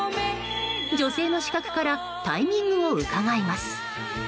女性の死角からタイミングをうかがいます。